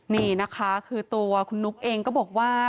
นี่นะคะคือตัวคุณนุ๊กเองก็บอกว่า